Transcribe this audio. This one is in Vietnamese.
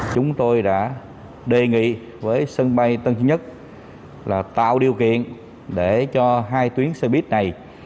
chúng tôi đã đề nghị với sân bay tân chính nhất là tạo điều kiện để cho hai tuyến xe buýt này